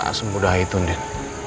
tak semudah itu andin